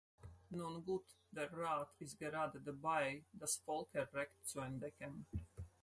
Nun gut, der Rat ist gerade dabei, das Völkerrecht zu entdecken.